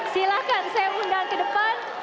silahkan saya undang kedepan